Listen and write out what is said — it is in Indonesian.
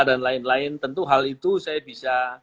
dan lain lain tentu hal itu saya bisa